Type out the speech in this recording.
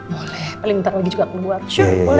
boleh paling ntar lagi juga keluar